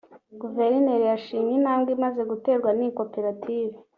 Guverineri yashimye intambwe imaze guterwa n’iyi koperative